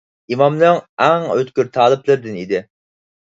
ئىمامنىڭ ئەڭ ئۆتكۈر تالىپلىرىدىن ئىدى.